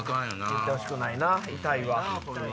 言ってほしくないな「痛い」は。